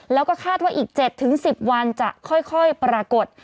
แล้วก็คาดว่าอีก๗๑๐วันจะค่อยปรากฏ